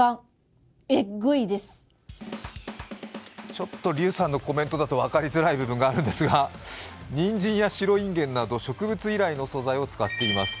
ちょっと劉さんのコメントだと分かりづらいところがあるんですが、にんじんや白インゲンなど植物由来の素材を使っています。